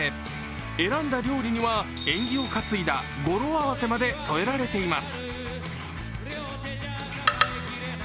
選んだ料理には縁起を担いだ語呂合わせまで添えられています。